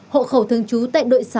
hộ khẩu thường trú tại đội sáu